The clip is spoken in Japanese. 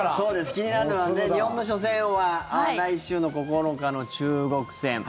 気になるのは日本の初戦は来週の９日の中国戦。